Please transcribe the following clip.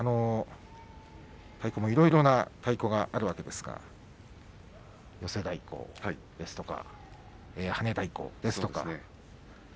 太鼓もいろいろな太鼓があるわけですが寄せ太鼓ですとか跳ね太鼓ですとか。